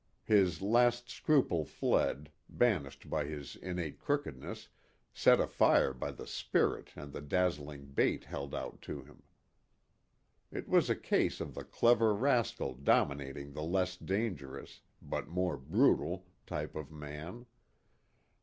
His last scruple fled, banished by his innate crookedness, set afire by the spirit and the dazzling bait held out to him. It was a case of the clever rascal dominating the less dangerous, but more brutal, type of man.